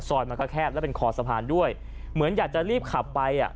มันก็แคบแล้วเป็นขอสะพานด้วยเหมือนอยากจะรีบขับไปอ่ะ